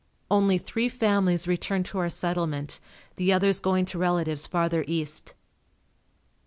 Only, three families returned to our settlement, the others going to relatives farther east.